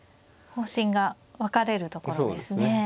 方針が分かれるところですね。